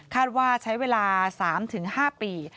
ว่าใช้เวลา๓๕ปี